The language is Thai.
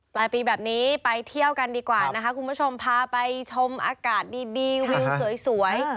ปลายปีแบบนี้ไปเที่ยวกันดีกว่านะคะคุณผู้ชมพาไปชมอากาศดีวิวสวย